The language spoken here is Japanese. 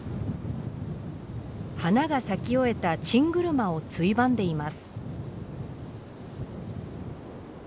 花が咲き終えたチングルマをついばんでいます。